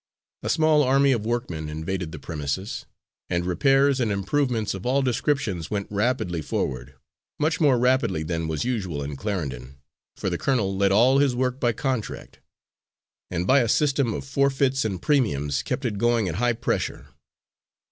A small army of workmen invaded the premises, and repairs and improvements of all descriptions went rapidly forward much more rapidly than was usual in Clarendon, for the colonel let all his work by contract, and by a system of forfeits and premiums kept it going at high pressure.